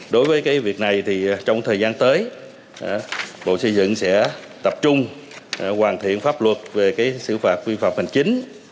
đối với việc này thì trong thời gian tới bộ xây dựng sẽ tập trung hoàn thiện pháp luật về xử phạt vi phạm hành chính